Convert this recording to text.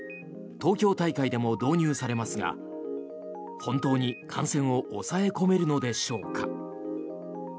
東京大会でも導入されますが本当に感染を抑え込めるのでしょうか。